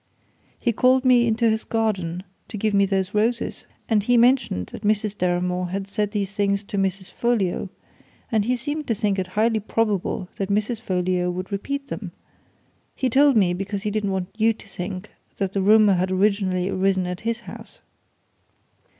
"He called me into his garden, to give me those roses, and he mentioned that Mrs. Deramore had said these things to Mrs. Folliot, and as he seemed to think it highly probable that Mrs. Folliot would repeat them, he told me because he didn't want you to think that the rumour had originally arisen at his house."